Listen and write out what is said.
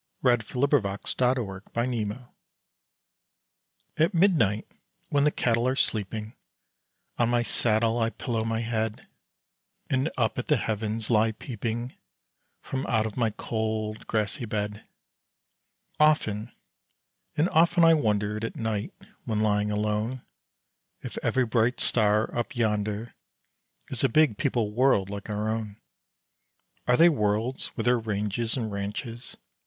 Repeat from first for Refrain THE COWBOY'S MEDITATION At midnight when the cattle are sleeping On my saddle I pillow my head, And up at the heavens lie peeping From out of my cold, grassy bed, Often and often I wondered At night when lying alone If every bright star up yonder Is a big peopled world like our own. Are they worlds with their ranges and ranches?